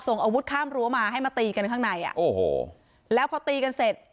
อาวุธข้ามรั้วมาให้มาตีกันข้างในอ่ะโอ้โหแล้วพอตีกันเสร็จ